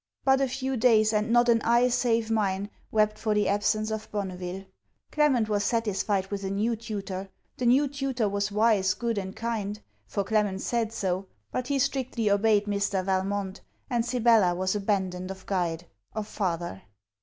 But a few days, and not an eye save mine, wept for the absence of Bonneville. Clement was satisfied with a new tutor. The new tutor was wise, good, and kind; for Clement said so; but he strictly obeyed Mr. Valmont, and Sibella was abandoned of guide, of father.